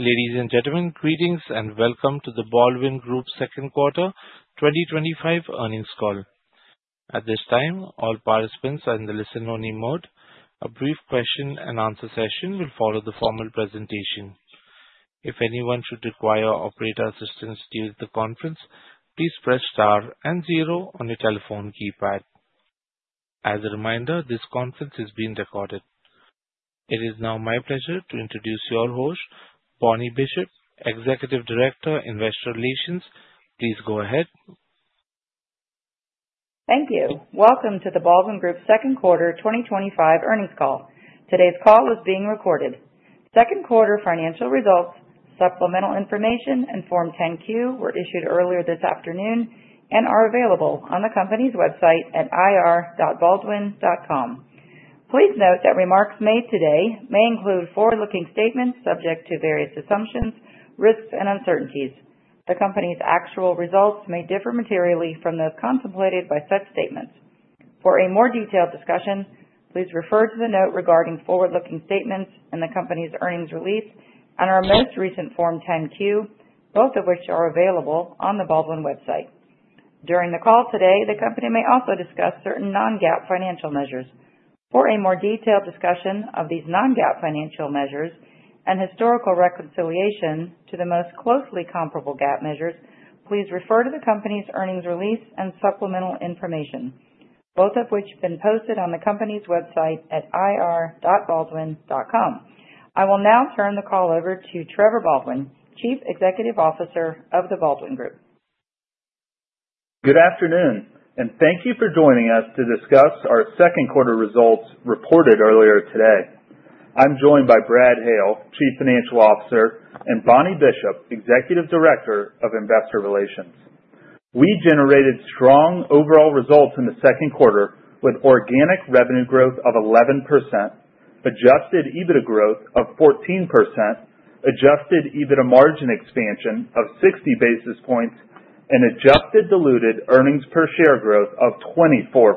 Ladies and gentlemen, greetings and welcome to The Baldwin Group's Second Quarter 2025 Earnings Call. At this time, all participants are in the listen-only mode. A brief question and answer session will follow the formal presentation. If anyone should require operator assistance during the conference, please press star and zero on your telephone keypad. As a reminder, this conference is being recorded. It is now my pleasure to introduce your host, Bonnie Bishop, Executive Director, Investor Relations. Please go ahead. Thank you. Welcome to The Baldwin Group's Second Quarter 2025 Earnings Call. Today's call is being recorded. Second quarter financial results, supplemental information, and Form 10-Q were issued earlier this afternoon and are available on the company's website at ir.baldwin.com. Please note that remarks made today may include forward-looking statements subject to various assumptions, risks, and uncertainties. The company's actual results may differ materially from those contemplated by such statements. For a more detailed discussion, please refer to the note regarding forward-looking statements in the company's earnings release and our most recent Form 10-Q, both of which are available on the Baldwin website. During the call today, the company may also discuss certain non-GAAP financial measures. For a more detailed discussion of these non-GAAP financial measures and historical reconciliation to the most closely comparable GAAP measures, please refer to the company's earnings release and supplemental information, both of which have been posted on the company's website at ir.baldwin.com. I will now turn the call over to Trevor Baldwin, Chief Executive Officer of The Baldwin Group. Good afternoon, and thank you for joining us to discuss our second quarter results reported earlier today. I'm joined by Brad Hale, Chief Financial Officer, and Bonnie Bishop, Executive Director of Investor Relations. We generated strong overall results in the second quarter with organic revenue growth of 11%, adjusted EBITDA growth of 14%, adjusted EBITDA margin expansion of 60 basis points, and adjusted diluted earnings per share growth of 24%.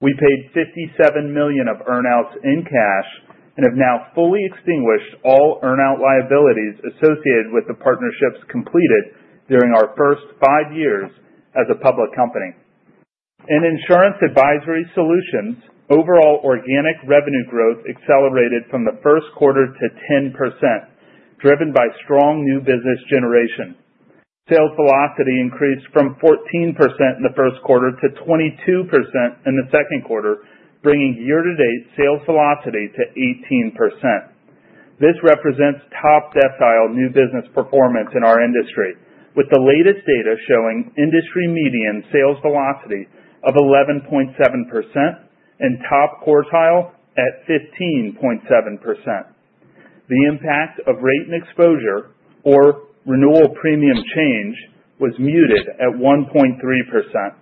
We paid $57 million of earnouts in cash and have now fully extinguished all earnout liabilities associated with the partnerships completed during our first five years as a public company. In Insurance Advisory Solutions, overall organic revenue growth accelerated from the first quarter to 10%, driven by strong new business generation. Sales velocity increased from 14% in the first quarter to 22% in the second quarter, bringing year-to-date sales velocity to 18%. This represents top-decile new business performance in our industry, with the latest data showing industry median sales velocity of 11.7% and top quartile at 15.7%. The impact of rate and exposure, or renewal premium change, was muted at 1.3%,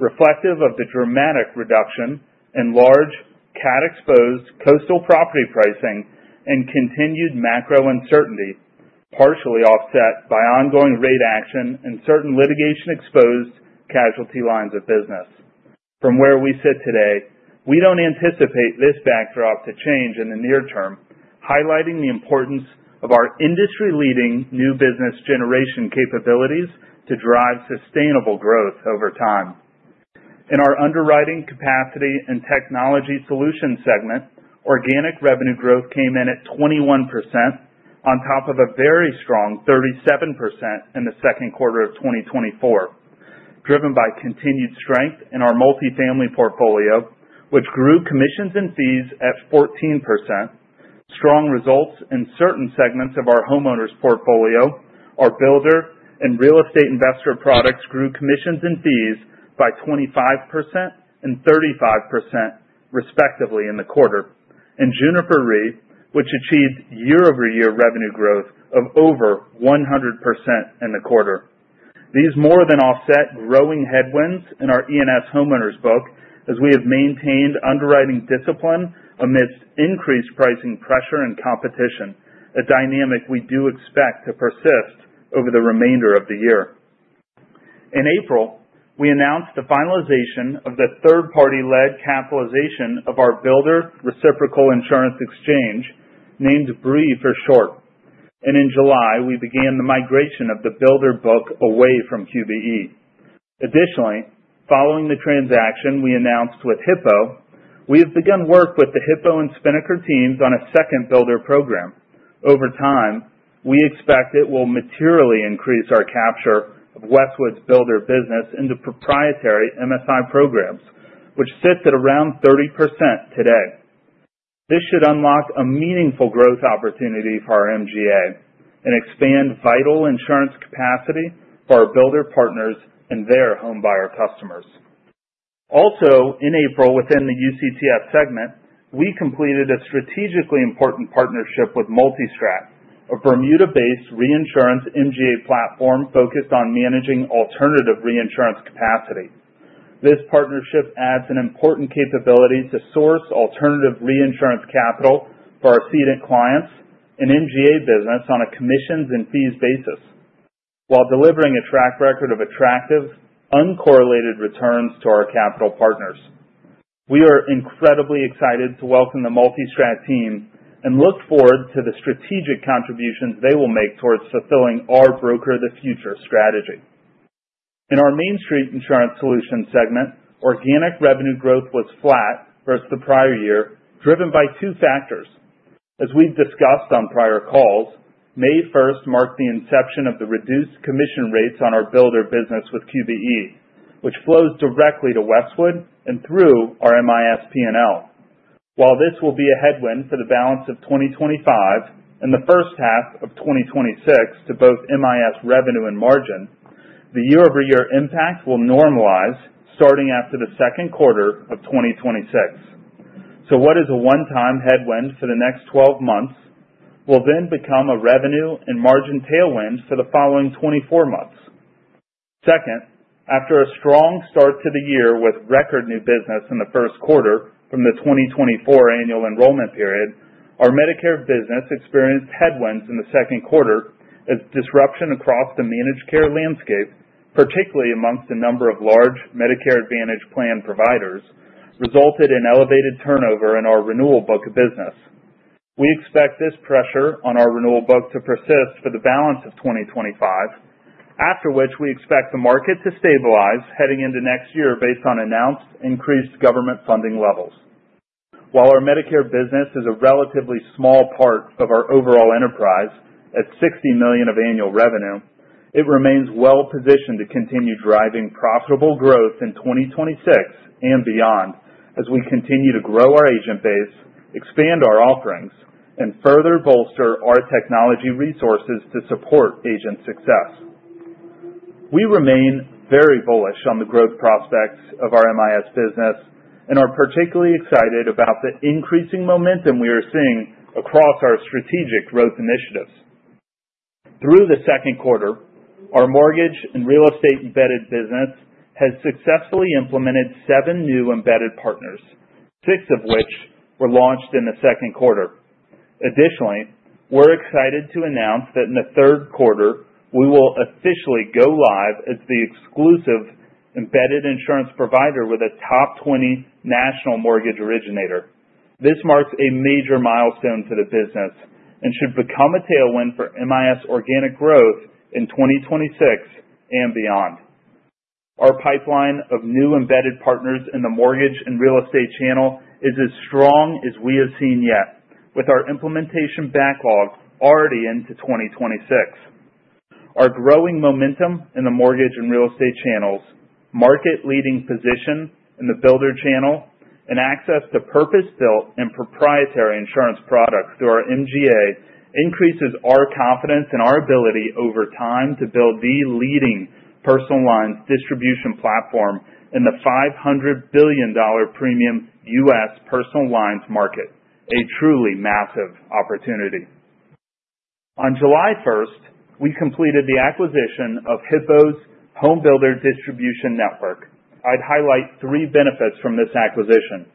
reflective of the dramatic reduction in large CAT-exposed coastal property pricing and continued macro uncertainties, partially offset by ongoing rate action and certain litigation-exposed casualty lines of business. From where we sit today, we don't anticipate this backdrop to change in the near term, highlighting the importance of our industry-leading new business generation capabilities to drive sustainable growth over time. In our Underwriting Capacity and Technology Solutions segment, organic revenue growth came in at 21%, on top of a very strong 37% in the second quarter of 2024, driven by continued strength in our multifamily portfolio, which grew commissions and fees at 14%. Strong results in certain segments of our homeowners' portfolio. Our builder and real estate investor products grew commissions and fees by 25% and 35%, respectively, in the quarter. Juniper Re, which achieved year-over-year revenue growth of over 100% in the quarter. These more than offset growing headwinds in our E&S homeowners' book, as we have maintained underwriting discipline amidst increased pricing pressure and competition, a dynamic we do expect to persist over the remainder of the year. In April, we announced the finalization of the third-party-led capitalization of our Builder Reciprocal Insurance Exchange, named BRIE for short. In July, we began the migration of the builder book away from QBE. Additionally, following the transaction we announced with Hippo, we have begun work with the Hippo and Spinnaker teams on a second builder program. Over time, we expect it will materially increase our capture of Westwood's builder business into proprietary MSI programs, which sit at around 30% today. This should unlock a meaningful growth opportunity for our MGA and expand vital insurance capacity for our builder partners and their home buyer customers. Also, in April, within the UCTS segment, we completed a strategically important partnership with MultiStrat, a Bermuda-based reinsurance MGA platform focused on managing alternative reinsurance capacity. This partnership adds an important capability to source alternative reinsurance capital for our ceded clients and MGA business on a commissions and fees basis, while delivering a track record of attractive, uncorrelated returns to our capital partners. We are incredibly excited to welcome the MultiStrat team and look forward to the strategic contributions they will make towards fulfilling our Broker of the Future strategy. In our Mainstreet Insurance Solutions segment, organic revenue growth was flat versus the prior year, driven by two factors. As we discussed on prior calls, May 1st marked the inception of the reduced commission rates on our builder business with QBE, which flows directly to Westwood and through our MIS P&L. While this will be a headwind for the balance of 2025 and the first half of 2026 to both MIS revenue and margin, the year-over-year impact will normalize starting after the second quarter of 2026. What is a one-time headwind for the next 12 months will then become a revenue and margin tailwind for the following 24 months. After a strong start to the year with record new business in the first quarter from the 2024 annual enrollment period, our Medicare business experienced headwinds in the second quarter as disruption across the managed care landscape, particularly amongst a number of large Medicare Advantage plan providers, resulted in elevated turnover in our renewal book of business. We expect this pressure on our renewal book to persist for the balance of 2025, after which we expect the market to stabilize heading into next year based on announced increased government funding levels. While our Medicare business is a relatively small part of our overall enterprise at $60 million of annual revenue, it remains well-positioned to continue driving profitable growth in 2026 and beyond as we continue to grow our agent base, expand our offerings, and further bolster our technology resources to support agent success. We remain very bullish on the growth prospects of our MIS business and are particularly excited about the increasing momentum we are seeing across our strategic growth initiatives. Through the second quarter, our mortgage and real estate embedded business has successfully implemented seven new embedded partners, six of which were launched in the second quarter. Additionally, we're excited to announce that in the third quarter, we will officially go live as the exclusive embedded insurance provider with a top 20 national mortgage originator. This marks a major milestone for the business and should become a tailwind for MIS organic growth in 2026 and beyond. Our pipeline of new embedded partners in the mortgage and real estate channel is as strong as we have seen yet, with our implementation backlog already into 2026. Our growing momentum in the mortgage and real estate channels, market-leading position in the builder channel, and access to purpose-built and proprietary insurance products through our MGA increases our confidence in our ability over time to build the leading personal lines distribution platform in the $500 billion premium U.S. personal lines market, a truly massive opportunity. On July 1st, we completed the acquisition of Hippo's home builder distribution network. I'd highlight three benefits from this acquisition.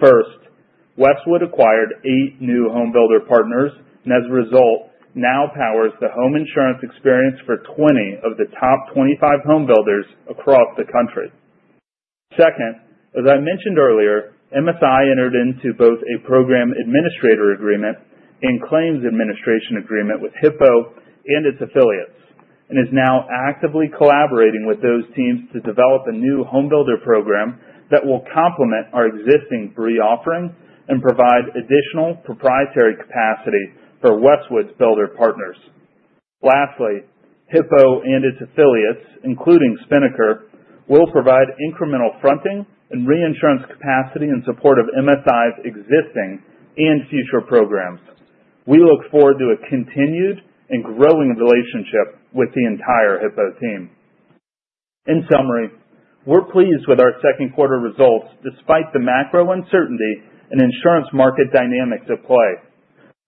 First, Westwood acquired eight new home builder partners and, as a result, now powers the home insurance experience for 20 of the top 25 home builders across the country. Second, as I mentioned earlier, MSI entered into both a program administrator agreement and claims administration agreement with Hippo and its affiliates and is now actively collaborating with those teams to develop a new home builder program that will complement our existing BRIE offering and provide additional proprietary capacity for Westwood's builder partners. Lastly, Hippo and its affiliates, including Spinnaker, will provide incremental fronting and reinsurance capacity in support of MSI's existing and future programs. We look forward to a continued and growing relationship with the entire Hippo team. In summary, we're pleased with our second quarter results despite the macro uncertainty and insurance market dynamics at play.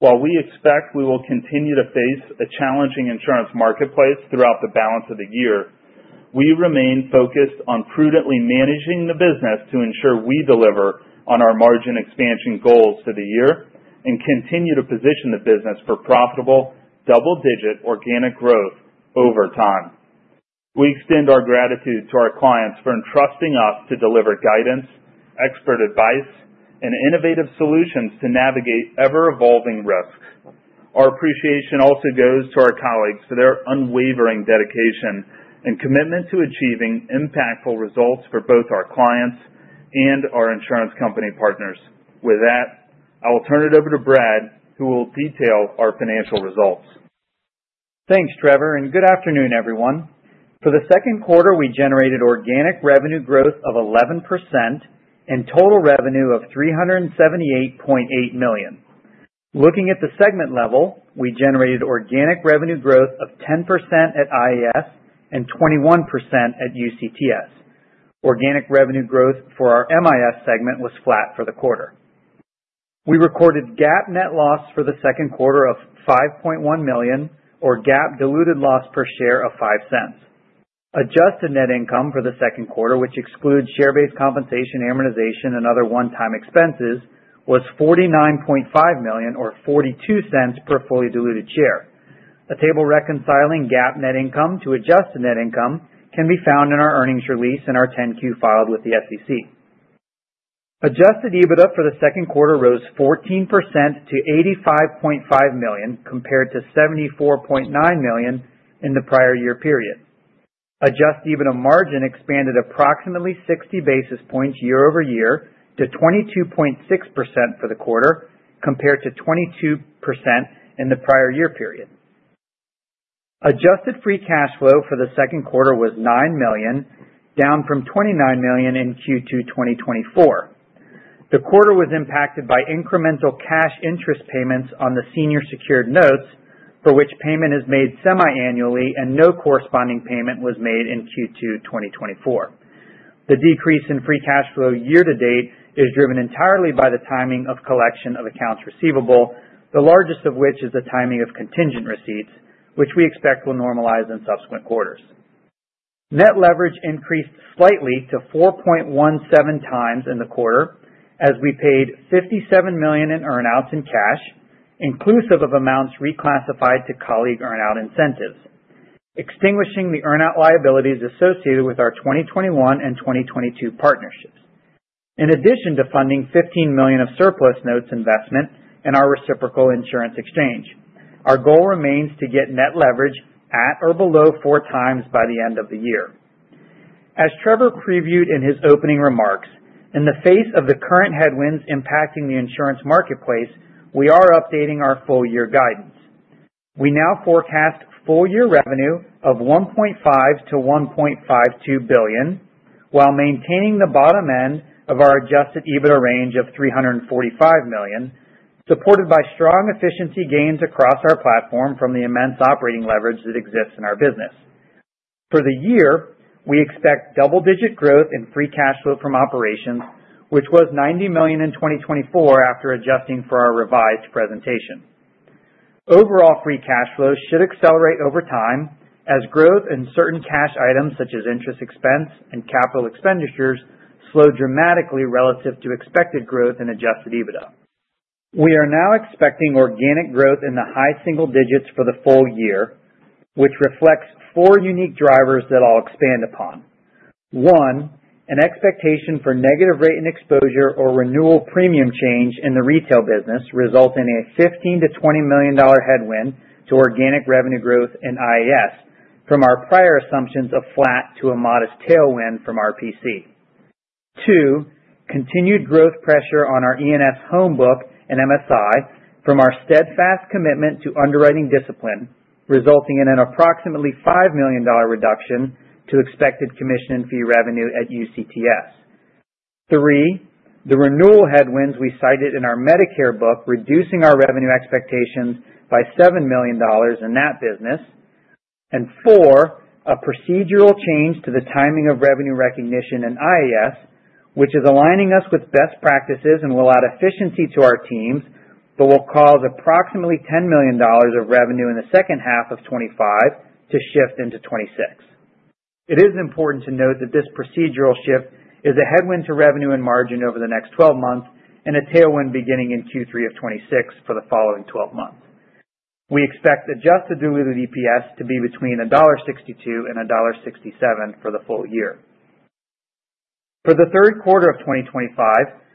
While we expect we will continue to face a challenging insurance marketplace throughout the balance of the year, we remain focused on prudently managing the business to ensure we deliver on our margin expansion goals for the year and continue to position the business for profitable double-digit organic growth over time. We extend our gratitude to our clients for entrusting us to deliver guidance, expert advice, and innovative solutions to navigate ever-evolving risks. Our appreciation also goes to our colleagues for their unwavering dedication and commitment to achieving impactful results for both our clients and our insurance company partners. With that, I will turn it over to Brad, who will detail our financial results. Thanks, Trevor, and good afternoon, everyone. For the second quarter, we generated organic revenue growth of 11% and total revenue of $378.8 million. Looking at the segment level, we generated organic revenue growth of 10% at IAS and 21% at UCTS. Organic revenue growth for our MIS segment was flat for the quarter. We recorded GAAP net loss for the second quarter of $5.1 million, or GAAP diluted loss per share of $0.05. Adjusted net income for the second quarter, which excludes share-based compensation, amortization, and other one-time expenses, was $49.5 million, or $0.42 per fully diluted share. A table reconciling GAAP net income to adjusted net income can be found in our earnings release and our 10-Q filed with the SEC. Adjusted EBITDA for the second quarter rose 14% to $85.5 million compared to $74.9 million in the prior year period. Adjusted EBITDA margin expanded approximately 60 basis points year-over-year to 22.6% for the quarter compared to 22% in the prior year period. Adjusted free cash flow for the second quarter was $9 million, down from $29 million in Q2 2024. The quarter was impacted by incremental cash interest payments on the senior secured notes, for which payment is made semi-annually and no corresponding payment was made in Q2 2024. The decrease in free cash flow year to date is driven entirely by the timing of collection of accounts receivable, the largest of which is the timing of contingent receipts, which we expect will normalize in subsequent quarters. Net leverage increased slightly to 4.17x in the quarter, as we paid $57 million in earnouts in cash, inclusive of amounts reclassified to colleague earnout incentives, extinguishing the earnout liabilities associated with our 2021 and 2022 partnerships, in addition to funding $15 million of surplus notes investment and our reciprocal insurance exchange. Our goal remains to get net leverage at or below 4x by the end of the year. As Trevor previewed in his opening remarks, in the face of the current headwinds impacting the insurance marketplace, we are updating our full-year guidance. We now forecast full-year revenue of $1.5 billion-$1.52 billion, while maintaining the bottom end of our adjusted EBITDA range of $345 million, supported by strong efficiency gains across our platform from the immense operating leverage that exists in our business. For the year, we expect double-digit growth in free cash flow from operations, which was $90 million in 2024 after adjusting for our revised presentation. Overall, free cash flow should accelerate over time as growth in certain cash items, such as interest expense and capital expenditures, slow dramatically relative to expected growth in adjusted EBITDA. We are now expecting organic growth in the high single digits for the full year, which reflects four unique drivers that I'll expand upon. One, an expectation for negative rate and exposure or renewal premium change in the retail business result in a $15 million-$20 million headwind to organic revenue growth and IAS from our prior assumptions of flat to a modest tailwind from RPC. Two, continued growth pressure on our E&S home book and MSI from our steadfast commitment to underwriting discipline, resulting in an approximately $5 million reduction to expected commission and fee revenue at UCTS. Three, the renewal headwinds we cited in our Medicare book, reducing our revenue expectations by $7 million in that business. Four, a procedural change to the timing of revenue recognition in IAS, which is aligning us with best practices and will add efficiency to our teams, but will cause approximately $10 million of revenue in the second half of 2025 to shift into 2026. It is important to note that this procedural shift is a headwind to revenue and margin over the next 12 months and a tailwind beginning in Q3 of 2026 for the following 12 months. We expect adjusted diluted EPS to be between $1.62 and $1.67 for the full year. For the third quarter of 2025,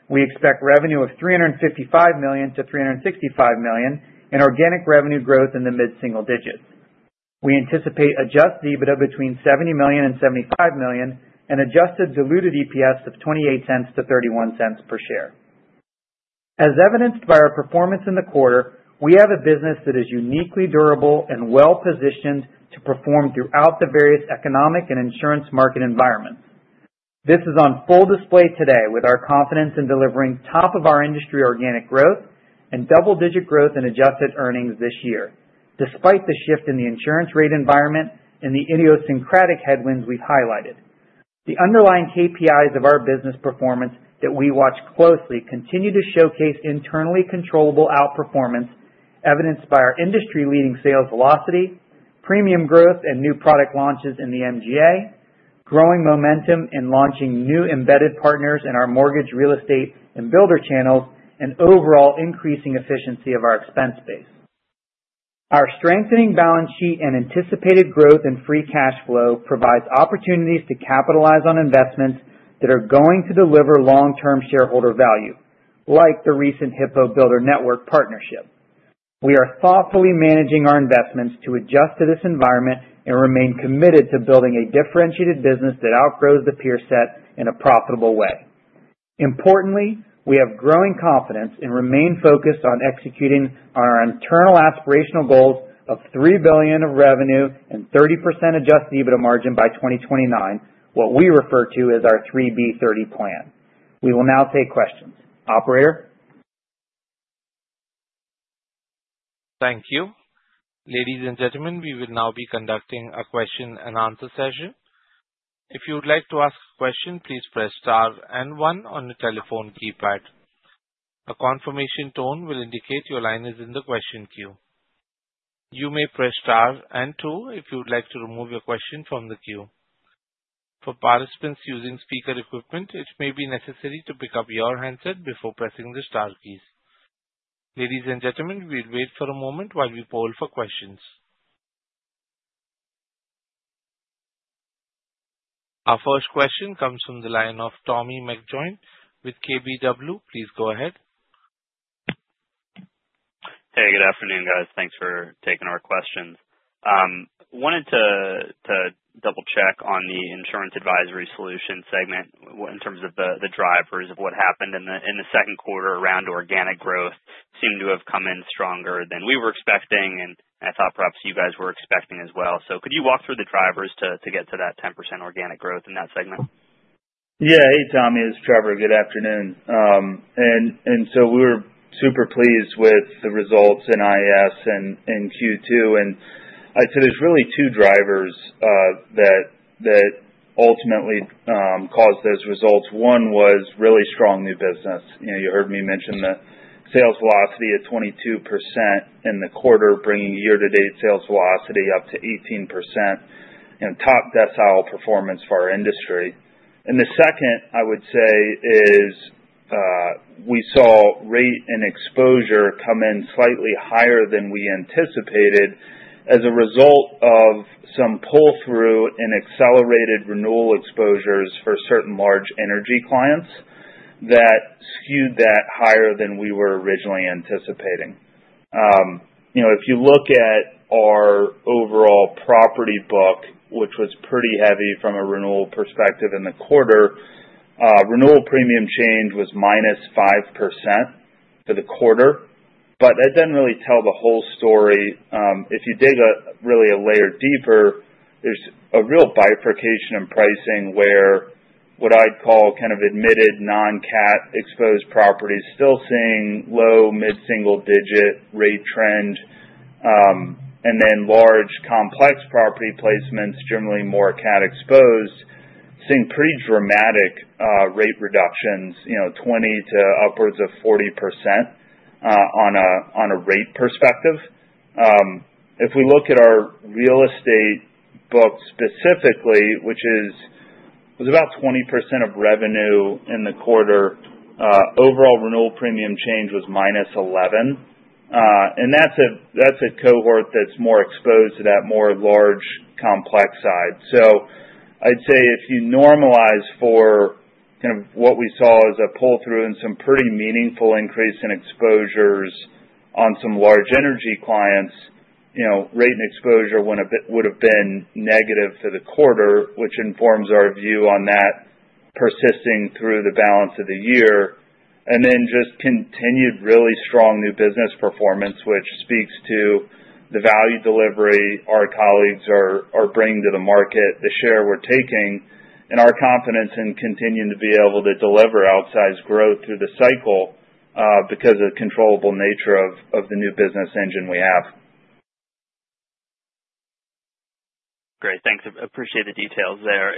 we expect revenue of $355 million-$365 million and organic revenue growth in the mid-single digits. We anticipate adjusted EBITDA between $70 million and $75 million and adjusted diluted EPS of $0.28-$0.31 per share. As evidenced by our performance in the quarter, we have a business that is uniquely durable and well-positioned to perform throughout the various economic and insurance market environments. This is on full display today with our confidence in delivering top-of-our-industry organic growth and double-digit growth in adjusted earnings this year, despite the shift in the insurance rate environment and the idiosyncratic headwinds we've highlighted. The underlying KPIs of our business performance that we watch closely continue to showcase internally controllable outperformance, evidenced by our industry-leading sales velocity, premium growth, and new product launches in the MGA, growing momentum in launching new embedded partners in our mortgage real estate and builder channels, and overall increasing efficiency of our expense base. Our strengthening balance sheet and anticipated growth in free cash flow provide opportunities to capitalize on investments that are going to deliver long-term shareholder value, like the recent Hippo builder network partnership. We are thoughtfully managing our investments to adjust to this environment and remain committed to building a differentiated business that outgrows the peer set in a profitable way. Importantly, we have growing confidence and remain focused on executing on our internal aspirational goals of $3 billion of revenue and 30% adjusted EBITDA margin by 2029, what we refer to as our 3B30 plan. We will now take questions. Operator. Thank you. Ladies and gentlemen, we will now be conducting a question and answer session. If you would like to ask a question, please press star and one on the telephone keypad. A confirmation tone will indicate your line is in the question queue. You may press star and two if you would like to remove your question from the queue. For participants using speaker equipment, it may be necessary to pick up your handset before pressing the star keys. Ladies and gentlemen, we'll wait for a moment while we poll for questions. Our first question comes from the line of Tommy McJoynt with KBW. Please go ahead. Hey, good afternoon, guys. Thanks for taking our questions. I wanted to double-check on the Insurance Advisory Solutions segment in terms of the drivers of what happened in the second quarter around organic growth. It seemed to have come in stronger than we were expecting, and I thought perhaps you guys were expecting as well. Could you walk through the drivers to get to that 10% organic growth in that segment? Yeah. Hey, Tommy. It's Trevor. Good afternoon. We're super pleased with the results in IAS in Q2. I'd say there's really two drivers that ultimately caused those results. One was really strong new business. You heard me mention the sales velocity at 22% in the quarter, bringing year-to-date sales velocity up to 18% and top-decile performance for our industry. The second, I would say, is we saw rate and exposure come in slightly higher than we anticipated as a result of some pull-through and accelerated renewal exposures for certain large energy clients that skewed that higher than we were originally anticipating. If you look at our overall property book, which was pretty heavy from a renewal perspective in the quarter, renewal premium change was -5% for the quarter, but that doesn't really tell the whole story. If you dig really a layer deeper, there's a real bifurcation in pricing where what I'd call kind of admitted non-CAT-exposed properties are still seeing low mid-single-digit rate trend, and then large complex property placements, generally more CAT-exposed, are seeing pretty dramatic rate reductions, 20% to upwards of 40% on a rate perspective. If we look at our real estate book specifically, which was about 20% of revenue in the quarter, overall renewal premium change was -11%. That's a cohort that's more exposed to that more large complex side. I'd say if you normalize for what we saw as a pull-through and some pretty meaningful increase in exposures on some large energy clients, rate and exposure would have been negative for the quarter, which informs our view on that persisting through the balance of the year. Just continued really strong new business performance speaks to the value delivery our colleagues are bringing to the market, the share we're taking, and our confidence in continuing to be able to deliver outsized growth through the cycle because of the controllable nature of the new business engine we have. Great. Thanks. Appreciate the details there.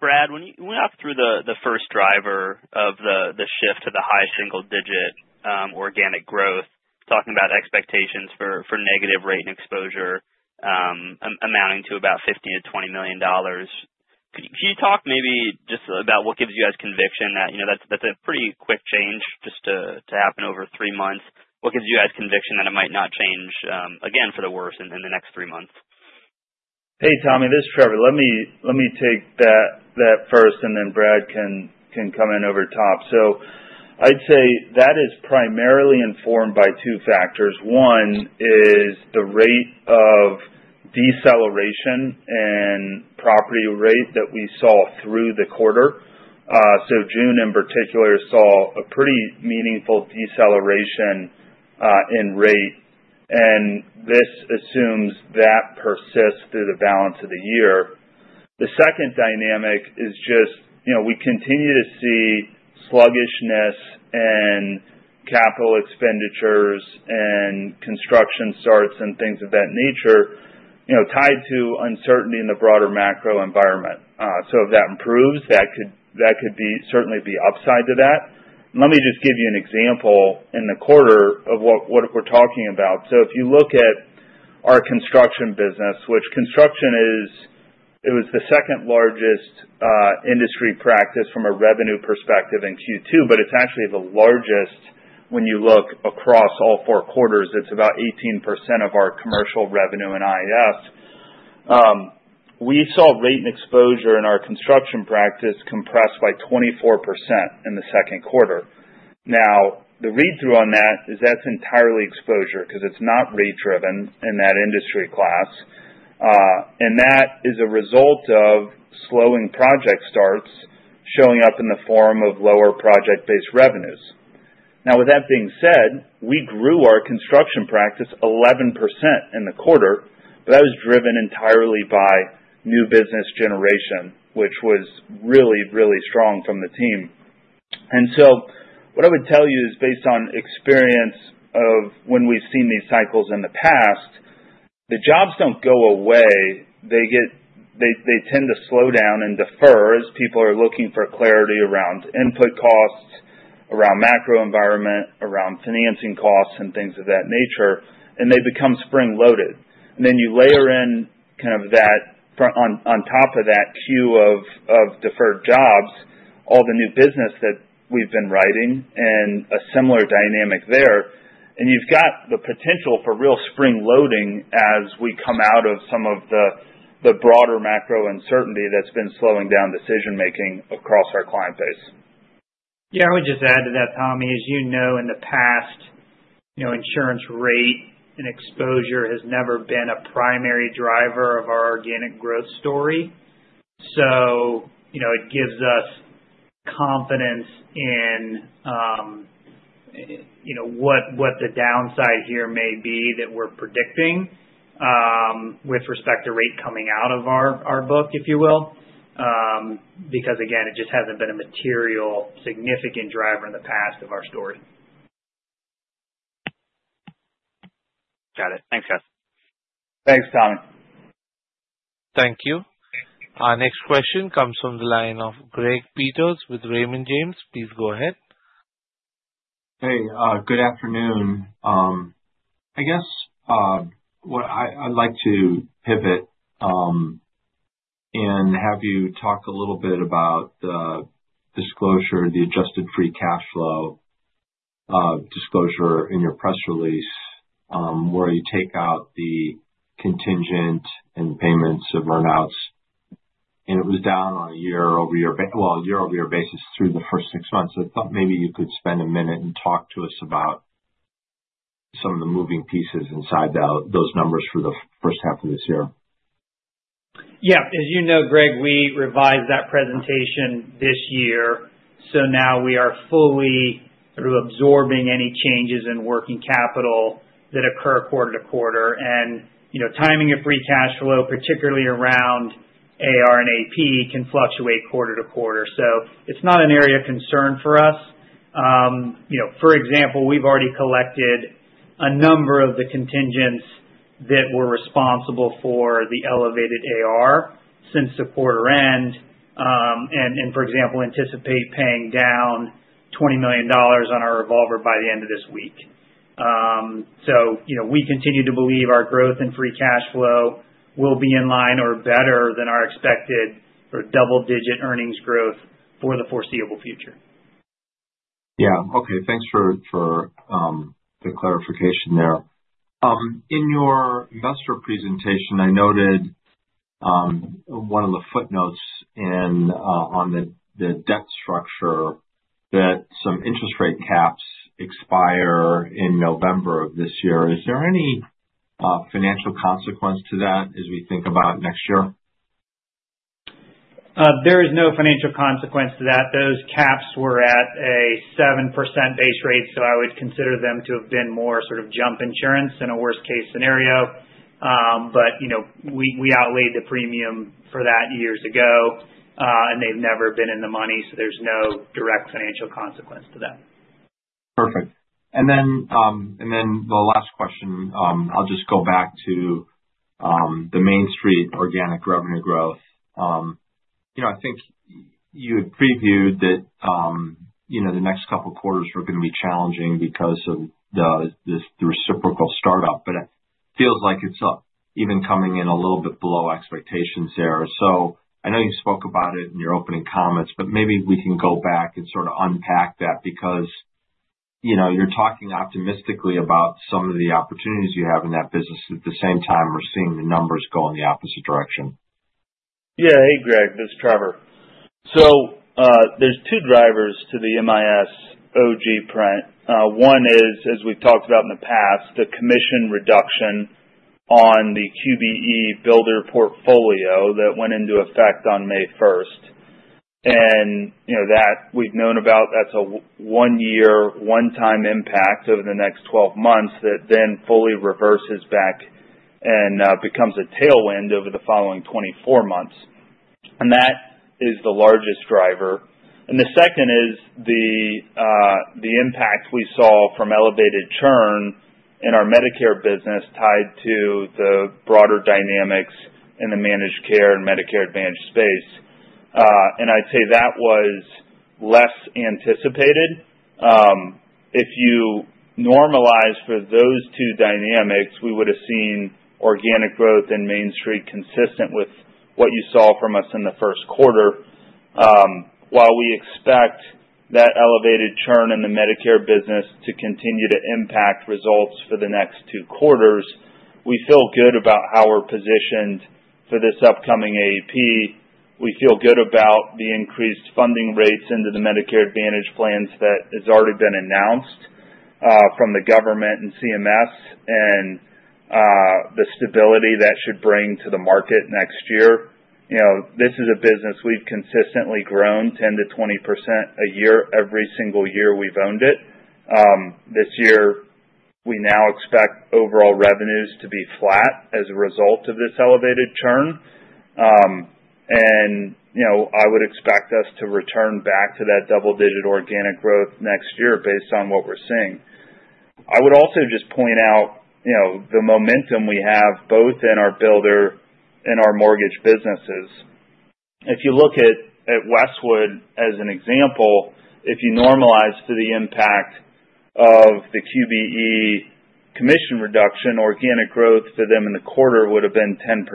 Brad, when we walk through the first driver of the shift to the high single-digit organic growth, talking about expectations for negative rate and exposure amounting to about $15 million-$20 million, could you talk maybe just about what gives you guys conviction that you know that's a pretty quick change just to happen over three months? What gives you guys conviction that it might not change again for the worse in the next three months? Hey, Tommy. This is Trevor. Let me take that first, and then Brad can come in over top. I'd say that is primarily informed by two factors. One is the rate of deceleration in property rate that we saw through the quarter. June, in particular, saw a pretty meaningful deceleration in rate, and this assumes that persists through the balance of the year. The second dynamic is just, you know, we continue to see sluggishness in capital expenditures and construction starts and things of that nature tied to uncertainty in the broader macro environment. If that improves, that could certainly be upside to that. Let me just give you an example in the quarter of what we're talking about. If you look at our construction business, which construction is, it was the second largest industry practice from a revenue perspective in Q2, but it's actually the largest when you look across all four quarters. It's about 18% of our commercial revenue in IAS. We saw rate and exposure in our construction practice compressed by 24% in the second quarter. The read-through on that is that's entirely exposure because it's not rate-driven in that industry class. That is a result of slowing project starts showing up in the form of lower project-based revenues. With that being said, we grew our construction practice 11% in the quarter, but that was driven entirely by new business generation, which was really, really strong from the team. What I would tell you is, based on experience of when we've seen these cycles in the past, the jobs don't go away. They tend to slow down and defer as people are looking for clarity around input costs, around macro environment, around financing costs, and things of that nature, and they become spring-loaded. You layer in kind of that front on top of that queue of deferred jobs, all the new business that we've been writing, and a similar dynamic there. You've got the potential for real spring-loading as we come out of some of the broader macro uncertainty that's been slowing down decision-making across our client base. Yeah. I would just add to that, Tommy. As you know, in the past, insurance rate and exposure has never been a primary driver of our organic growth story. It gives us confidence in what the downside here may be that we're predicting with respect to rate coming out of our book, if you will, because it just hasn't been a material significant driver in the past of our story. Got it. Thanks, guys. Thanks, Tommy. Thank you. Our next question comes from the line of Greg Peters with Raymond James. Please go ahead. Hey, good afternoon. I guess what I'd like to pivot and have you talk a little bit about the disclosure, the adjusted free cash flow disclosure in your press release, where you take out the contingent and the payments of runouts. It was down on a year-over-year, a year-over-year basis through the first six months. I thought maybe you could spend a minute and talk to us about some of the moving pieces inside those numbers for the first half of this year. Yeah. As you know, Greg, we revised that presentation this year. Now we are fully through absorbing any changes in working capital that occur quarter to quarter. Timing of free cash flow, particularly around AR and AP, can fluctuate quarter to quarter. It's not an area of concern for us. For example, we've already collected a number of the contingents that were responsible for the elevated AR since the quarter end. We anticipate paying down $20 million on our revolver by the end of this week. We continue to believe our growth in free cash flow will be in line or better than our expected or double-digit earnings growth for the foreseeable future. Yeah. Okay. Thanks for the clarification there. In your investor presentation, I noted one of the footnotes on the debt structure that some interest rate caps expire in November of this year. Is there any financial consequence to that as we think about next year? There is no financial consequence to that. Those caps were at a 7% base rate, so I would consider them to have been more sort of jump insurance in a worst-case scenario. We outlaid the premium for that years ago, and they've never been in the money, so there's no direct financial consequence to that. Perfect. Then the last question, I'll just go back to the Mainstreet organic revenue growth. I think you had previewed that the next couple of quarters were going to be challenging because of the reciprocal startup, but it feels like it's even coming in a little bit below expectations there. I know you spoke about it in your opening comments, but maybe we can go back and sort of unpack that because you're talking optimistically about some of the opportunities you have in that business. At the same time, we're seeing the numbers go in the opposite direction. Yeah. Hey, Greg. This is Trevor. There are two drivers to the MIS OG print. One is, as we've talked about in the past, the commission reduction on the QBE builder portfolio that went into effect on May 1st. You know, that we've known about, that's a one-year, one-time impact over the next 12 months that then fully reverses back and becomes a tailwind over the following 24 months. That is the largest driver. The second is the impact we saw from elevated churn in our Medicare business tied to the broader dynamics in the managed care and Medicare Advantage space. I'd say that was less anticipated. If you normalize for those two dynamics, we would have seen organic growth in Mainstreet consistent with what you saw from us in the first quarter. While we expect that elevated churn in the Medicare business to continue to impact results for the next two quarters, we feel good about how we're positioned for this upcoming AP. We feel good about the increased funding rates into the Medicare Advantage plans that has already been announced from the government and CMS, and the stability that should bring to the market next year. You know, this is a business we've consistently grown 10%- 20% a year every single year we've owned it. This year, we now expect overall revenues to be flat as a result of this elevated churn. I would expect us to return back to that double-digit organic growth next year based on what we're seeing. I would also just point out the momentum we have both in our builder and our mortgage businesses. If you look at Westwood as an example, if you normalize to the impact of the QBE commission reduction, organic growth for them in the quarter would have been 10%.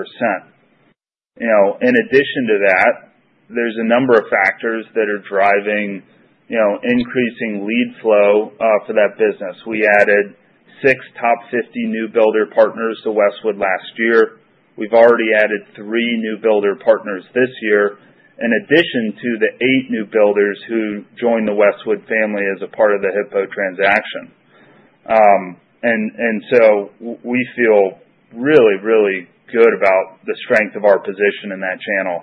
In addition to that, there's a number of factors that are driving increasing lead flow for that business. We added six top 50 new builder partners to Westwood last year. We've already added three new builder partners this year in addition to the eight new builders who joined the Westwood family as a part of the Hippo transaction. We feel really, really good about the strength of our position in that channel.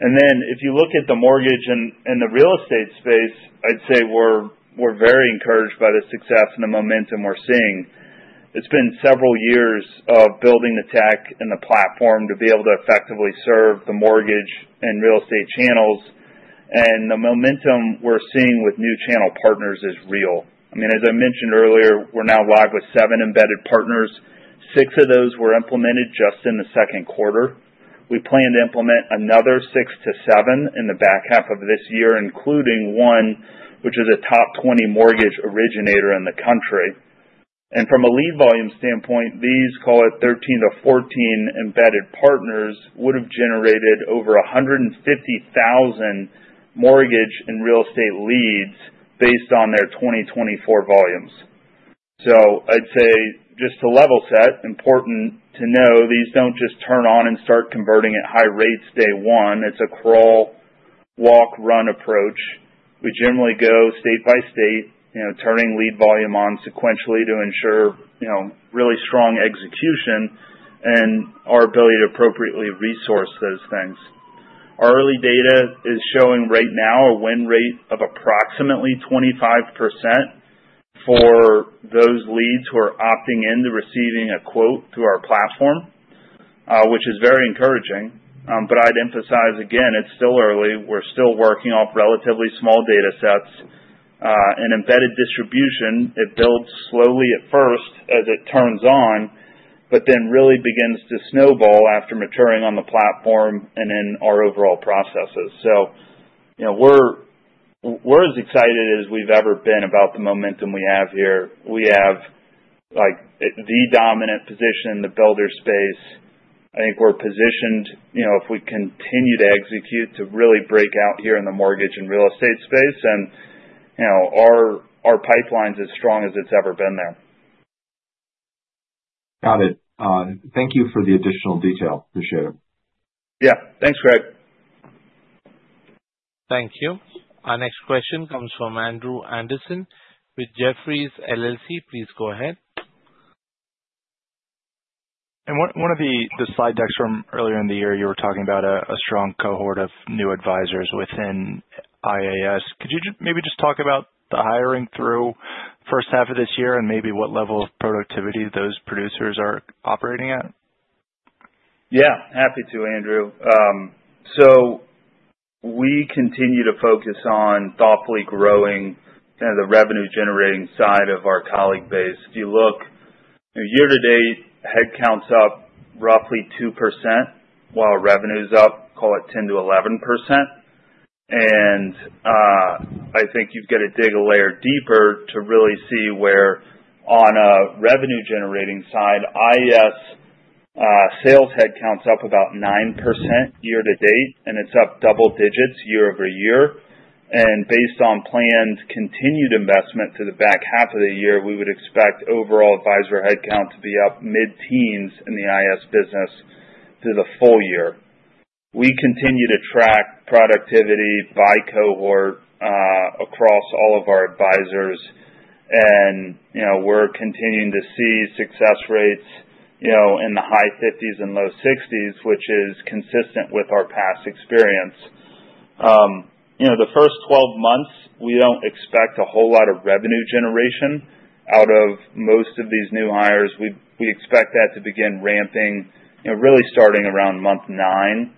If you look at the mortgage and the real estate space, I'd say we're very encouraged by the success and the momentum we're seeing. It's been several years of building the tech and the platform to be able to effectively serve the mortgage and real estate channels. The momentum we're seeing with new channel partners is real. I mean, as I mentioned earlier, we're now live with seven embedded partners. Six of those were implemented just in the second quarter. We plan to implement another six to seven in the back half of this year, including one, which is a top 20 mortgage originator in the country. From a lead volume standpoint, these, call it, 13 to 14 embedded partners would have generated over 150,000 mortgage and real estate leads based on their 2024 volumes. I'd say just to level set, it's important to know these don't just turn on and start converting at high rates day one. It's a crawl, walk, run approach. We generally go state by state, turning lead volume on sequentially to ensure really strong execution and our ability to appropriately resource those things. Our early data is showing right now a win rate of approximately 25% for those leads who are opting into receiving a quote through our platform, which is very encouraging. I'd emphasize again, it's still early. We're still working off relatively small data sets. Embedded distribution builds slowly at first as it turns on, but then really begins to snowball after maturing on the platform and in our overall processes. We're as excited as we've ever been about the momentum we have here. We have the dominant position in the builder space. I think we're positioned, if we continue to execute, to really break out here in the mortgage and real estate space. Our pipeline's as strong as it's ever been there. Got it. Thank you for the additional detail. Appreciate it. Yeah, thanks, Greg. Thank you. Our next question comes from Andrew Anderson with Jefferies LLC. Please go ahead. In one of the slide decks from earlier in the year, you were talking about a strong cohort of new advisors within IAS. Could you maybe just talk about the hiring through the first half of this year and maybe what level of productivity those producers are operating at? Yeah. Happy to, Andrew. We continue to focus on thoughtfully growing kind of the revenue-generating side of our colleague base. If you look, year-to-date headcount's up roughly 2% while revenue's up, call it 10%-11%. I think you've got to dig a layer deeper to really see where on a revenue-generating side, IAS sales headcount's up about 9% year to date, and it's up double digits year-over-year. Based on planned continued investment to the back half of the year, we would expect overall advisor headcount to be up mid-teens in the IAS business for the full year. We continue to track productivity by cohort across all of our advisors. We're continuing to see success rates in the high 50s and low 60s, which is consistent with our past experience. The first 12 months, we don't expect a whole lot of revenue generation out of most of these new hires. We expect that to begin ramping, really starting around month 9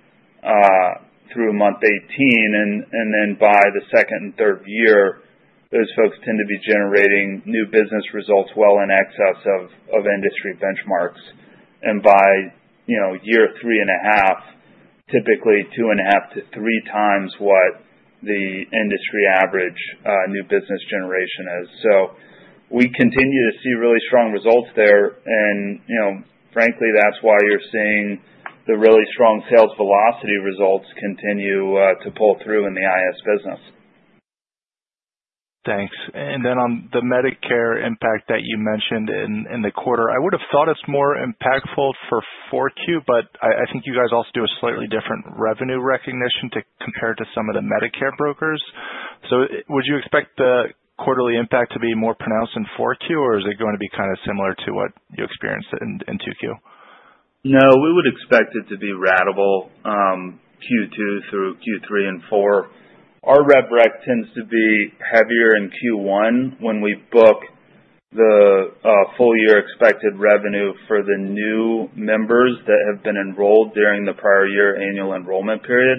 through month 18. By the second and third year, those folks tend to be generating new business results well in excess of industry benchmarks. By year three and a half, typically 2.5x-3x what the industry average new business generation is. We continue to see really strong results there. Frankly, that's why you're seeing the really strong sales velocity results continue to pull through in the IAS business. Thanks. On the Medicare impact that you mentioned in the quarter, I would have thought it's more impactful for 4Q, but I think you guys also do a slightly different revenue recognition compared to some of the Medicare brokers. Would you expect the quarterly impact to be more pronounced in 4Q, or is it going to be kind of similar to what you experienced in 2Q? No, we would expect it to be ratable Q2 through Q3 and Q4. Our rev rec tends to be heavier in Q1 when we book the full year expected revenue for the new members that have been enrolled during the prior year annual enrollment period.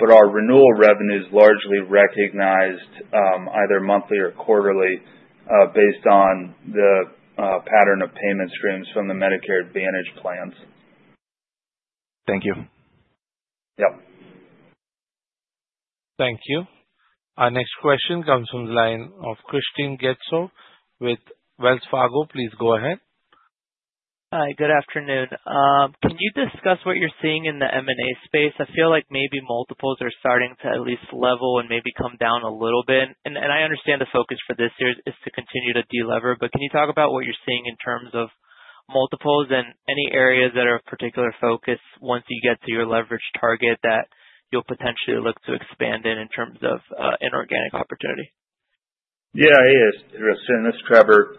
Our renewal revenue is largely recognized either monthly or quarterly based on the pattern of payment streams from the Medicare Advantage plans. Thank you. Yeah. Thank you. Our next question comes from the line of Kristin Getz with Wells Fargo. Please go ahead. Hi. Good afternoon. Can you discuss what you're seeing in the M&A space? I feel like maybe multiples are starting to at least level and maybe come down a little bit. I understand the focus for this year is to continue to deliver, but can you talk about what you're seeing in terms of multiples and any areas that are of particular focus once you get to your leverage target that you'll potentially look to expand in in terms of an organic opportunity? Yeah, hey, Kristin. This is Trevor.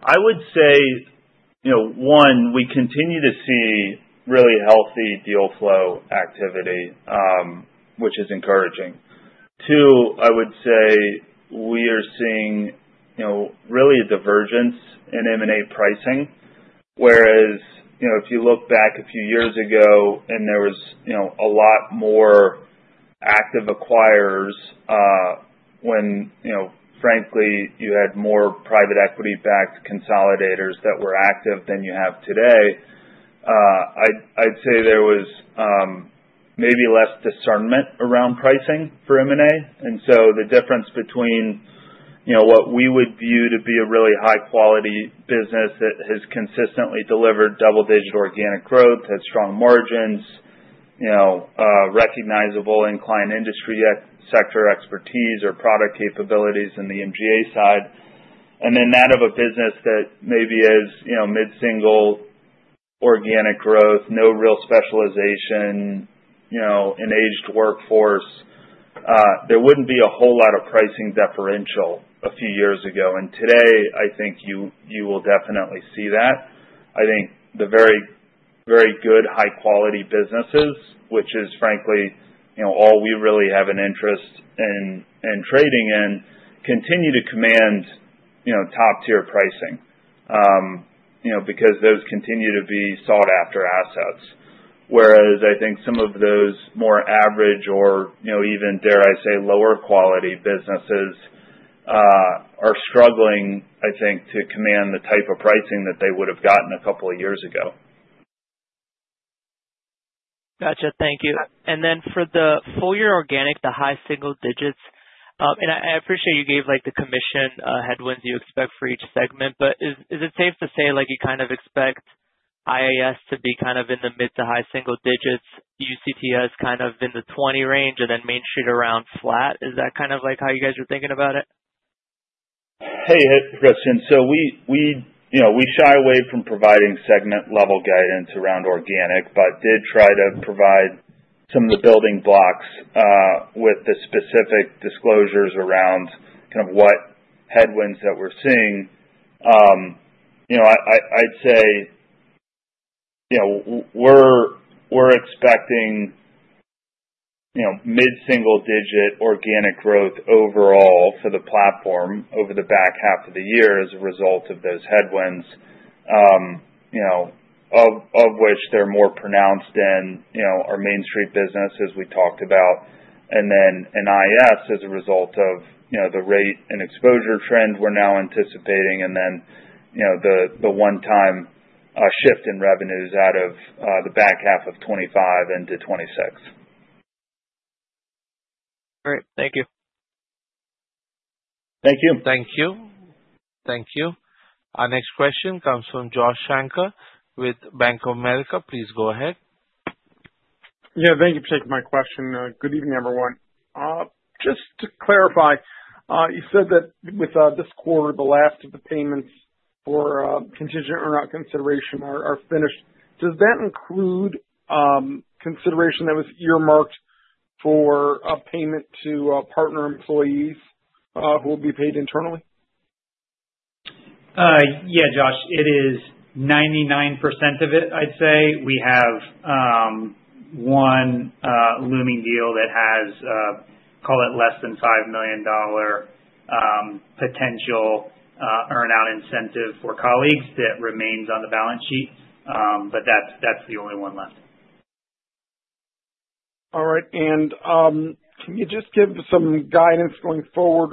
I would say, you know, one, we continue to see really healthy deal flow activity, which is encouraging. Two, I would say we are seeing, you know, really a divergence in M&A pricing. If you look back a few years ago and there was a lot more active acquirers, when, frankly, you had more private equity-backed consolidators that were active than you have today, I'd say there was maybe less discernment around pricing for M&A. The difference between what we would view to be a really high-quality business that has consistently delivered double-digit organic growth, has strong margins, recognizable in-client industry sector expertise or product capabilities in the MGA side, and then that of a business that maybe is mid-single organic growth, no real specialization, engaged workforce, there wouldn't be a whole lot of pricing differential a few years ago. Today, I think you will definitely see that. I think the very, very good high-quality businesses, which is, frankly, all we really have an interest in trading in, continue to command top-tier pricing because those continue to be sought-after assets. Whereas I think some of those more average or even, dare I say, lower quality businesses are struggling, I think, to command the type of pricing that they would have gotten a couple of years ago. Gotcha. Thank you. For the full-year organic, the high single digits, I appreciate you gave the commission headwinds you expect for each segment, but is it safe to say you kind of expect IAS to be in the mid to high single digits, UCTS in the 20% range, and then Mainstreet around flat? Is that how you guys are thinking about it? Hey, Kristin. We shy away from providing segment-level guidance around organic, but did try to provide some of the building blocks, with the specific disclosures around kind of what headwinds that we're seeing. I'd say we're expecting mid-single-digit organic growth overall for the platform over the back half of the year as a result of those headwinds, of which they're more pronounced in our Mainstreet business, as we talked about, and then in IAS as a result of the rate and exposure trend we're now anticipating, and then the one-time shift in revenues out of the back half of 2025 into 2026. All right. Thank you. Thank you. Thank you. Thank you. Our next question comes from Josh Shanker with Bank of America. Please go ahead. Thank you for taking my question. Good evening, everyone. Just to clarify, you said that with this quarter, the last of the payments for contingent or not consideration are finished. Does that include consideration that was earmarked for a payment to partner employees, who will be paid internally? Yeah, Josh. It is 99% of it, I'd say. We have one looming deal that has, call it less than $5 million potential earnout incentive for colleagues that remains on the balance sheet. That's the only one left. All right. Can you just give some guidance going forward?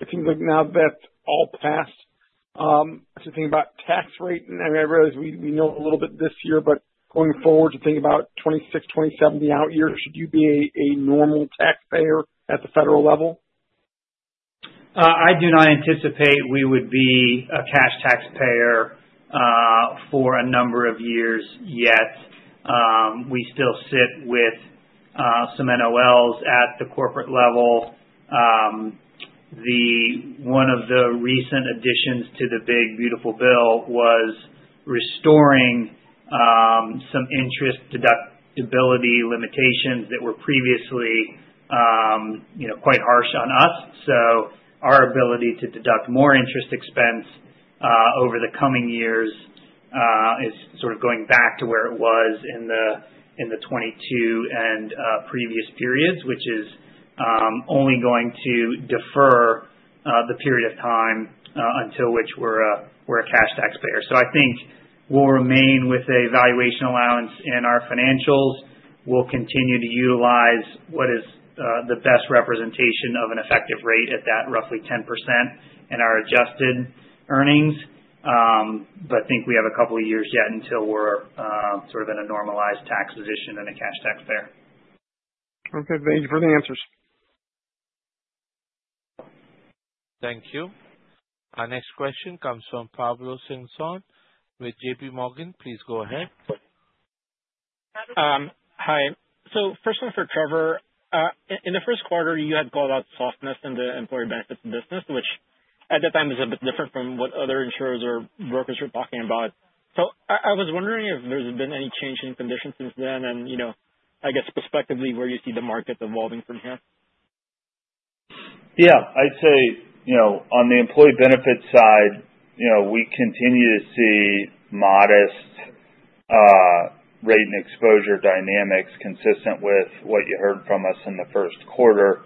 It seems like now that that's all passed, to think about tax rate. I realize we know a little bit this year, but going forward to think about 2026, 2027, the out year, should you be a normal taxpayer at the federal level? I do not anticipate we would be a cash taxpayer for a number of years yet. We still sit with some NOLs at the corporate level. One of the recent additions to the big beautiful bill was restoring some interest deductibility limitations that were previously, you know, quite harsh on us. Our ability to deduct more interest expense over the coming years is sort of going back to where it was in 2022 and previous periods, which is only going to defer the period of time until which we're a cash taxpayer. I think we'll remain with a valuation allowance in our financials. We'll continue to utilize what is the best representation of an effective rate at that roughly 10% in our adjusted earnings. I think we have a couple of years yet until we're sort of in a normalized tax position and a cash taxpayer. Okay, thank you for the answers. Thank you. Our next question comes from Pablo Singzon with JPMorgan. Please go ahead. Hi. First one for Trevor. In the first quarter, you had called out softness in the employee benefits business, which at the time is a bit different from what other insurers or brokers were talking about. I was wondering if there's been any change in conditions since then, and, you know, I guess, perspectively, where you see the market evolving from here? I'd say, on the employee benefits side, we continue to see modest rate and exposure dynamics consistent with what you heard from us in the first quarter.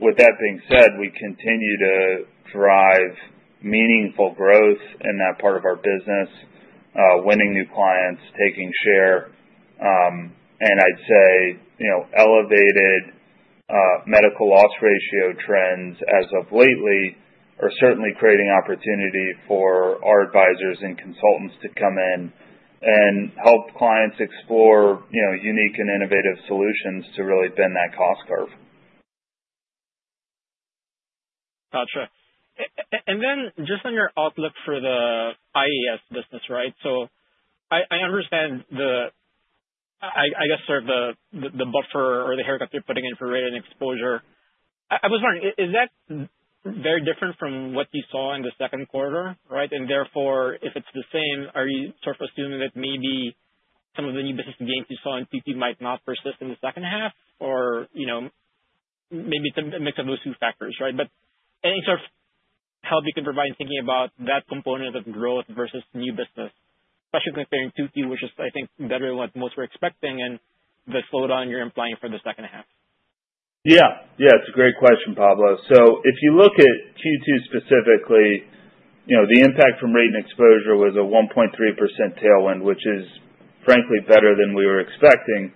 With that being said, we continue to drive meaningful growth in that part of our business, winning new clients, taking share. I'd say elevated medical loss ratio trends as of lately are certainly creating opportunity for our advisors and consultants to come in and help clients explore unique and innovative solutions to really bend that cost curve. Gotcha. On your outlook for the IAS business, right? I understand the buffer or the haircut you're putting in for rate and exposure. I was wondering, is that very different from what you saw in the second quarter, right? If it's the same, are you sort of assuming that maybe some of the new business gains you saw in PP might not persist in the second half, or maybe it's a mix of those two factors, right? Any sort of help you can provide in thinking about that component of growth versus new business, especially comparing Q2, which is, I think, better than what most were expecting, and the slowdown you're implying for the second half? Yeah. Yeah. It's a great question, Pablo. If you look at Q2 specifically, the impact from rate and exposure was a 1.3% tailwind, which is, frankly, better than we were expecting.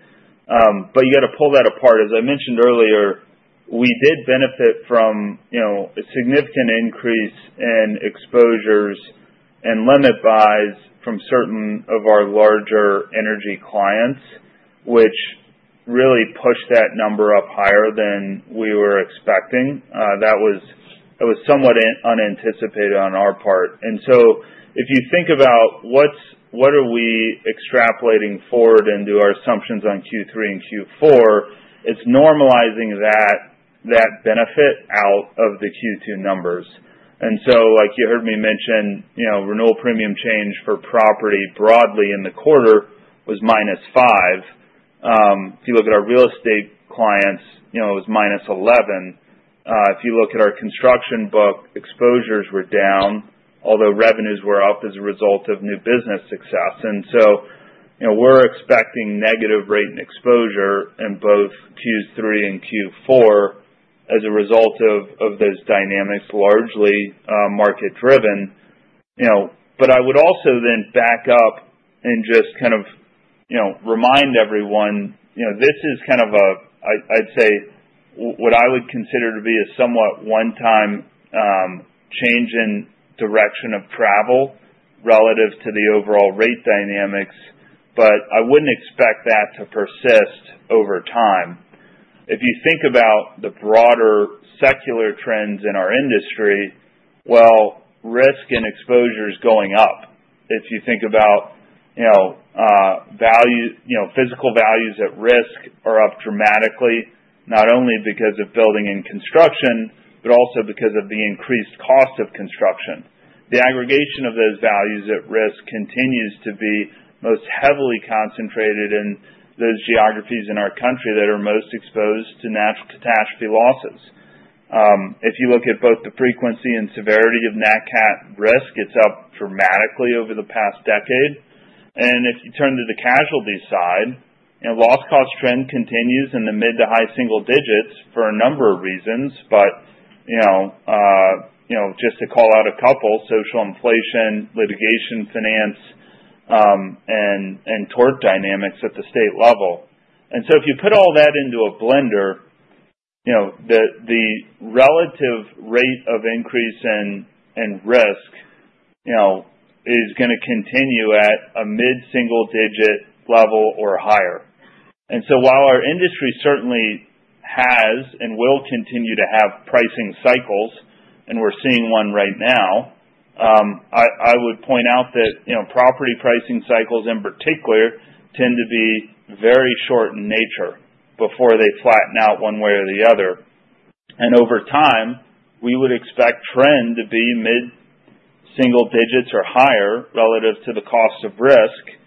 You have to pull that apart. As I mentioned earlier, we did benefit from a significant increase in exposures and limit buys from certain of our larger energy clients, which really pushed that number up higher than we were expecting. That was somewhat unanticipated on our part. If you think about what we are extrapolating forward into our assumptions on Q3 and Q4, it's normalizing that benefit out of the Q2 numbers. Like you heard me mention, renewal premium change for property broadly in the quarter was -5%. If you look at our real estate clients, it was -11%. If you look at our construction book, exposures were down, although revenues were up as a result of new business success. We are expecting negative rate and exposure in both Q3 and Q4 as a result of those dynamics, largely market-driven. I would also then back up and just remind everyone, this is what I would consider to be a somewhat one-time change in direction of travel relative to the overall rate dynamics, but I wouldn't expect that to persist over time. If you think about the broader secular trends in our industry, risk and exposure is going up. If you think about value, physical values at risk are up dramatically, not only because of building and construction, but also because of the increased cost of construction. The aggregation of those values at risk continues to be most heavily concentrated in those geographies in our country that are most exposed to natural catastrophe losses. If you look at both the frequency and severity of NatCaT risk, it's up dramatically over the past decade. If you turn to the casualty side, loss cost trend continues in the mid to high single digits for a number of reasons, just to call out a couple, social inflation, litigation, finance, and tort dynamics at the state level. If you put all that into a blender, the relative rate of increase in risk is going to continue at a mid-single-digit level or higher. While our industry certainly has and will continue to have pricing cycles, and we're seeing one right now, I would point out that property pricing cycles in particular tend to be very short in nature before they flatten out one way or the other. Over time, we would expect trend to be mid-single digits or higher relative to the cost of risk.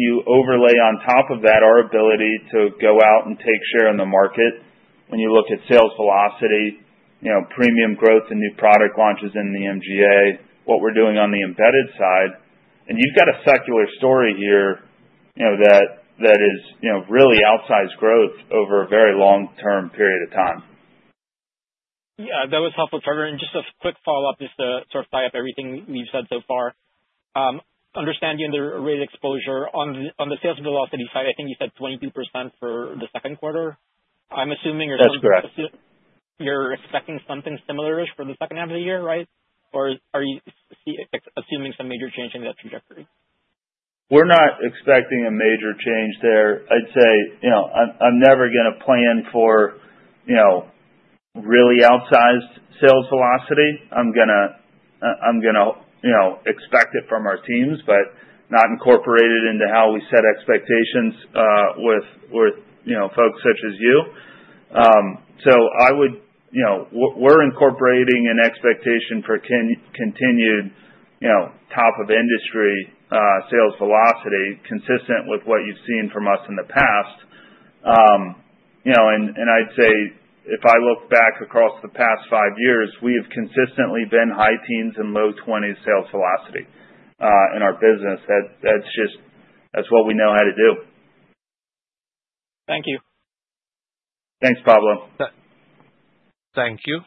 You overlay on top of that our ability to go out and take share in the market. When you look at sales velocity, premium growth, and new product launches in the MGA, what we're doing on the embedded side, you've got a secular story here that is really outsized growth over a very long-term period of time. Yeah, that was helpful, Trevor. Just a quick follow-up to sort of tie up everything you've said so far. I understand you're under rate exposure on the sales velocity side. I think you said 22% for the second quarter. I'm assuming you're expecting something similar for the second half of the year, right? Or are you assuming some major change in that trajectory? We're not expecting a major change there. I'd say I'm never going to plan for really outsized sales velocity. I'm going to expect it from our teams, but not incorporate it into how we set expectations with folks such as you. I would say we're incorporating an expectation for continued, top-of-industry sales velocity consistent with what you've seen from us in the past. If I look back across the past five years, we have consistently been high teens and low 20s sales velocity in our business. That's just what we know how to do. Thank you. Thanks, Pablo. Thank you.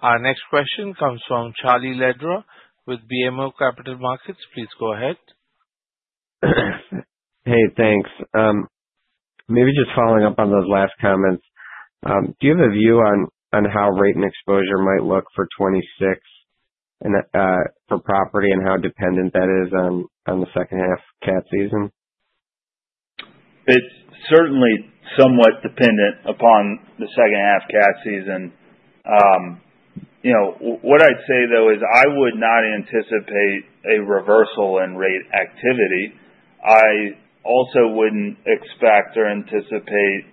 Our next question comes from Charlie Lederer with BMO Capital Markets. Please go ahead. Hey, thanks. Maybe just following up on those last comments. Do you have a view on how rate and exposure might look for 2026, and for property, and how dependent that is on the second half CAT season? It's certainly somewhat dependent upon the second half CAT season. What I'd say, though, is I would not anticipate a reversal in rate activity. I also wouldn't expect or anticipate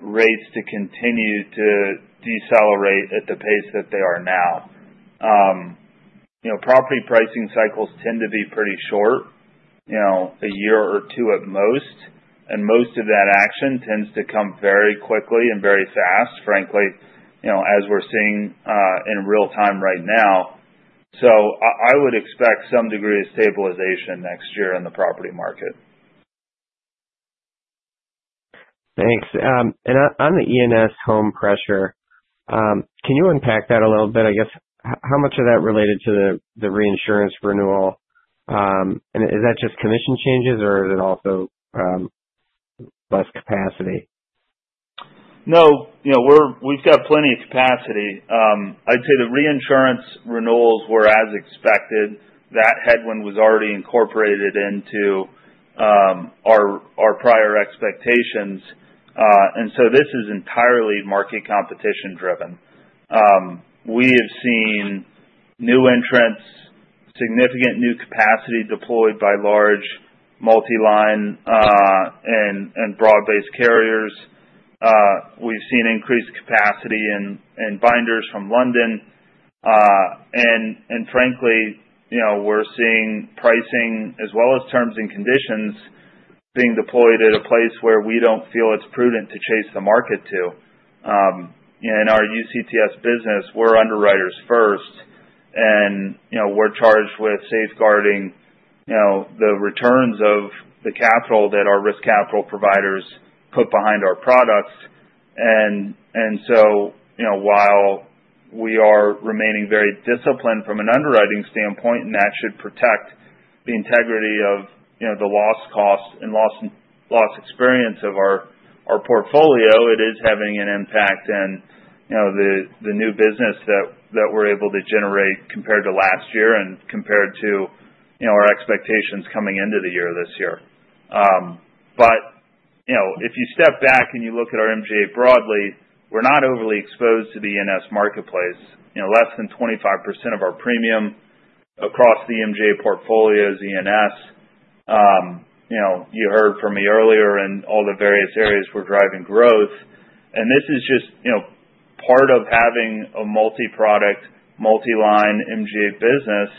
rates to continue to decelerate at the pace that they are now. Property pricing cycles tend to be pretty short, a year or two at most. Most of that action tends to come very quickly and very fast, frankly, as we're seeing in real time right now. I would expect some degree of stabilization next year in the property market. Thanks. On the E&S home pressure, can you unpack that a little bit? I guess, how much of that related to the reinsurance renewal? Is that just commission changes, or is it also less capacity? No. You know, we've got plenty of capacity. I'd say the reinsurance renewals were as expected. That headwind was already incorporated into our prior expectations, and so this is entirely market competition-driven. We have seen new entrants, significant new capacity deployed by large multi-line and broad-based carriers. We've seen increased capacity in binders from London, and frankly, you know, we're seeing pricing as well as terms and conditions being deployed at a place where we don't feel it's prudent to chase the market to. You know, in our UCTS business, we're underwriters first, and you know, we're charged with safeguarding the returns of the capital that our risk capital providers put behind our products. And so, you know, while we are remaining very disciplined from an underwriting standpoint, and that should protect the integrity of the loss cost and loss experience of our portfolio, it is having an impact in the new business that we're able to generate compared to last year and compared to our expectations coming into the year this year. If you step back and you look at our MGA broadly, we're not overly exposed to the E&S marketplace. You know, less than 25% of our premium across the MGA portfolio is E&S. You know, you heard from me earlier in all the various areas we're driving growth. This is just part of having a multi-product, multi-line MGA business.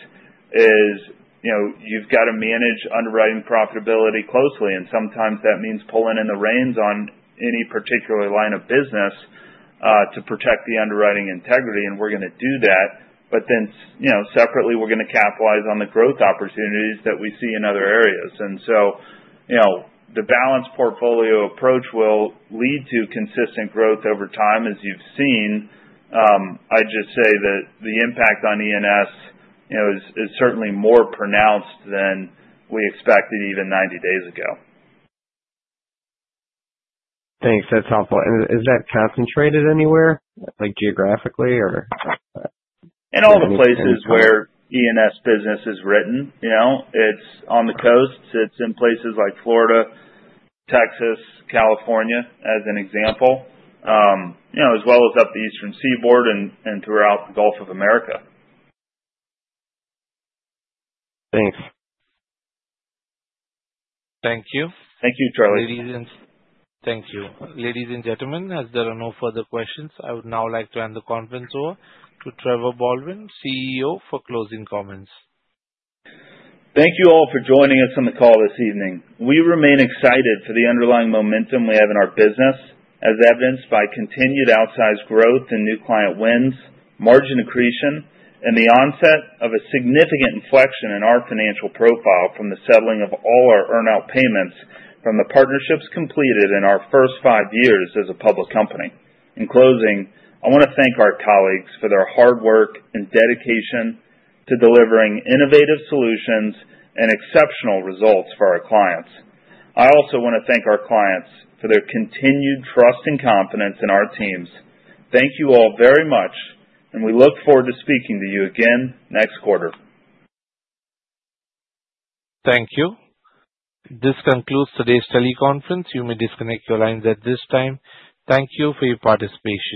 You know, you've got to manage underwriting profitability closely, and sometimes that means pulling in the reins on any particular line of business to protect the underwriting integrity. We're going to do that. Separately, we're going to capitalize on the growth opportunities that we see in other areas. The balanced portfolio approach will lead to consistent growth over time, as you've seen. I'd just say that the impact on E&S is certainly more pronounced than we expected even 90 days ago. Thanks, that's helpful. Is that concentrated anywhere, like geographically, or? In all the places where E&S business is written, you know, it's on the coasts. It's in places like Florida, Texas, California, as an example, as well as up the eastern seaboard and throughout the Gulf of America. Thanks. Thank you. Thank you, Charlie. Thank you. Ladies and gentlemen, as there are no further questions, I would now like to hand the conference over to Trevor Baldwin, CEO, for closing comments. Thank you all for joining us on the call this evening. We remain excited for the underlying momentum we have in our business, as evidenced by continued outsized growth and new client wins, margin accretion, and the onset of a significant inflection in our financial profile from the settling of all our earnout payments from the partnerships completed in our first five years as a public company. In closing, I want to thank our colleagues for their hard work and dedication to delivering innovative solutions and exceptional results for our clients. I also want to thank our clients for their continued trust and confidence in our teams. Thank you all very much, and we look forward to speaking to you again next quarter. Thank you. This concludes today's teleconference. You may disconnect your lines at this time. Thank you for your participation.